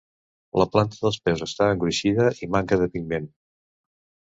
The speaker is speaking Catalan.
La planta dels peus està engruixida i manca de pigment.